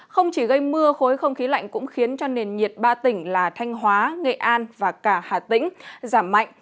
không chỉ gây mưa khối không khí lạnh cũng khiến cho nền nhiệt ba tỉnh là thanh hóa nghệ an và cả hà tĩnh giảm mạnh